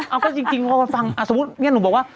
เอาก็จริงพอไปฟังสมมุติเนี่ยหนูบอกว่า